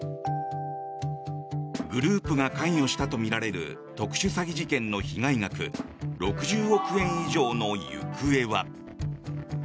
グループが関与したとみられる特殊詐欺事件の被害額６０億円以上の行方は。